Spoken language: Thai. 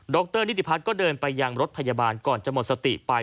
รนิติพัฒน์ก็เดินไปยังรถพยาบาลก่อนจะหมดสติไป